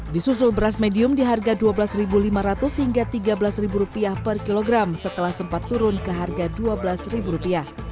disusul beras medium di harga rp dua belas lima ratus hingga rp tiga belas per kilogram setelah sempat turun ke harga rp dua belas